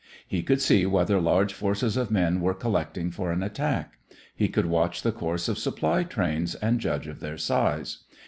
He could see whether large forces of men were collecting for an attack. He could watch the course of supply trains, and judge of their size.